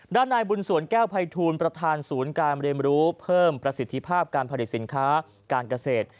ด้านนายบุญสวนแก้วภัยทูลประธานศูนย์การเรียนรู้เพิ่มประสิทธิภาพการผลิตสินค้าการเกษตร